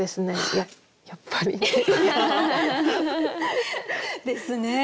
やっぱり。ですね。